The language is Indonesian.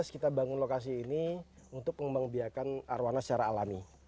dua ribu tujuh belas kita bangun lokasi ini untuk pengembang biakan arwana secara alami